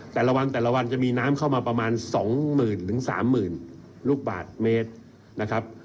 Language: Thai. แต่ละวันจะมีน้ำเข้ามาประมาณ๒หมื่นหรือ๓หมื่นลูกบาทเมตรนะครับ